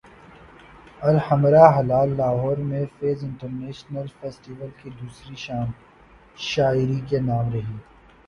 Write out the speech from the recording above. Alhamra hall Lahore میں Faiz international festival کی دوسری شام شاعری کے نام رہی